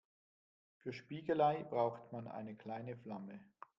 Für Spiegelei braucht man eine kleine Flamme.